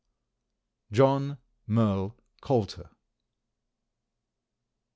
John Merle Coulter.